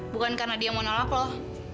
bukan karena dia mau nolak loh